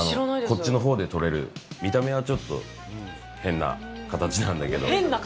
こっちのほうで取れる見た目はちょっと変な形なんだけど。